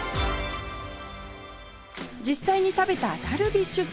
実際に食べたダルビッシュさん。